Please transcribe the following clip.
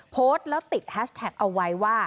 โพสต์แล้วติดแฮชแท็กเอาไว้ว่า